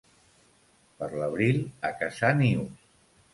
Per l'abril, a caçar nius.